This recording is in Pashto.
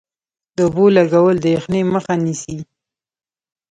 د اوبو لګول د یخنۍ مخه نیسي؟